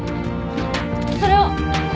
それを。